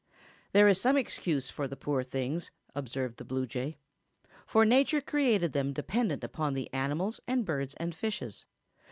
"There is some excuse for the poor things," observed the bluejay, "for nature created them dependent upon the animals and birds and fishes.